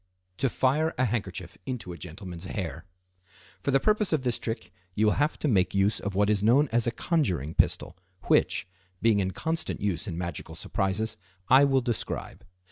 To Fire a Handkerchief into a Gentleman's Hair.—For the purpose of this trick you will have to make use of what is known as a conjuring pistol, which, being in constant use in magical surprises, I will describe.